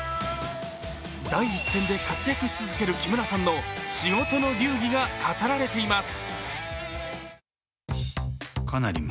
第一線で活躍し続ける木村さんの仕事の流儀が語られています。